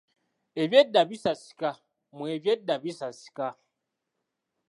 Ebyedda bisasika mu Ebyedda Bisasika